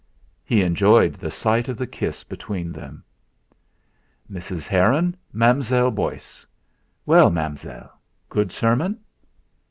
He enjoyed the sight of the kiss between them. "Mrs. Heron, Mam'zelle Beauce. Well, Mam'zelle good sermon?"